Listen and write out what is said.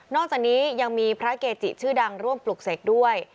อกจากนี้ยังมีพระเกจิชื่อดังร่วมปลุกเสกด้วย